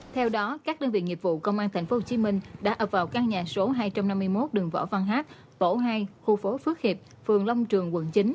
theo đó các đơn vị nghiệp vụ công an tp hcm đã ập vào căn nhà số hai trăm năm mươi một đường võ văn hát tổ hai khu phố phước hiệp phường long trường quận chín